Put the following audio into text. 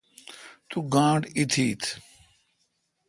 تو گاݨڈ ایتھت۔